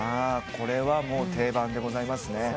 これは定番でございますね。